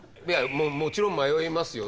もちろん迷いますよ。